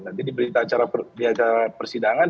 nanti diberi di acara persidangan